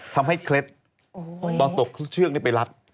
ตอนตกเขาชื้อกไปรัด